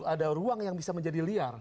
ada ruang yang bisa menjadi liar